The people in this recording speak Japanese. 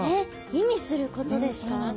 意味することですか？